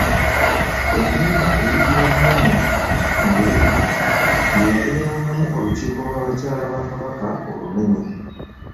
Ennyumba eyitibwa Bummenya mu Lubiri yeyabeerangamu olukiiko lw’abakyala ba Kabaka olunene.